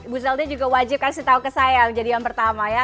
bu zelda juga wajib kasih tahu ke saya menjadi yang pertama ya